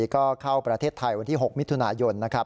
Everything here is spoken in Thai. ก็เข้าประเทศไทยวันที่๖มิถุนายนนะครับ